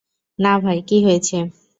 না ভাই, কী হয়েছে?